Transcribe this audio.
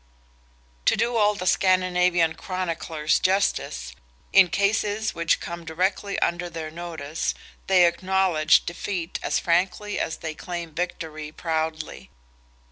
To do all the Scandinavian chroniclers justice, in cases which come directly under their notice, they acknowledge defeat as frankly as they claim victory proudly.